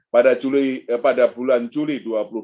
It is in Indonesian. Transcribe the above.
pada bulan juli dua ribu dua puluh